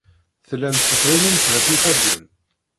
Tellamt tettɣimimt ɣef yifadden.